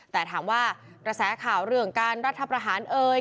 แต่ถามว่ากระแสข่าวเรื่องการรัฐประหารเอ่ย